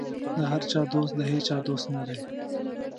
د هر چا دوست د هېچا دوست نه دی.